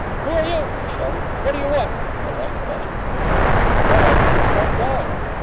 'Who are you?' I shouted. 'What do you want?' A light flashed in my eyes. 'Why, it's that dog!'